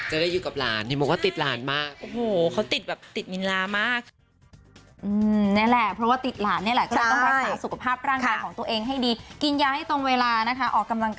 ได้อยู่กับหลานเห็นบอกว่าติดหลานมาก